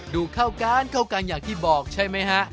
ดูเข้ากันเข้ากันอย่างที่บอกใช่ไหมฮะ